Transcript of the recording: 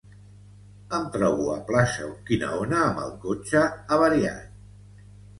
Em trobo a Plaça Urquinaona amb el cotxe avariat.